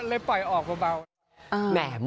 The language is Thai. แหมหมวกเขาน่ะคราวไหม